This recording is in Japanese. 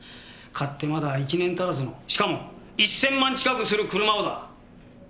買ってまだ１年足らずのしかも１千万近くする車をだ！